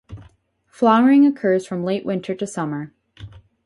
Flowering occurs from late winter to summer.